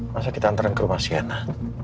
masa kita antaran ke rumah sienna